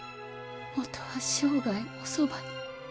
もとは生涯おそばに。